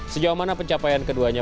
sejauh mana pencapaian keduanya